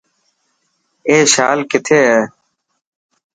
اي شال ڪٿي هي.